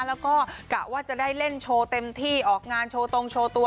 แล้วก็กะว่าจะได้เล่นโชว์เต็มที่ออกงานโชว์ตรงโชว์ตัว